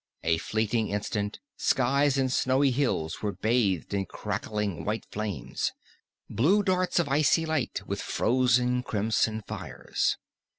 A fleeting instant, skies and snowy hills were bathed in crackling white flames, blue darts of icy light, and frozen crimson fires.